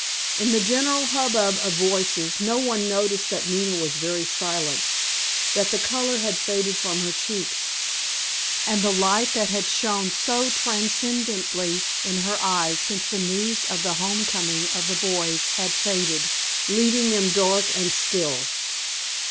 In the general hubbub of voices no one noticed that Nina was very silent, that the color had faded from her cheeks, and the light that had shone so transcendantly in her eyes since the news of the home coming of the boys had faded, leaving them dark and still.